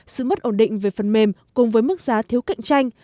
sự mất ổn định về phần mềm cùng với mức giá thiếu cạnh tranh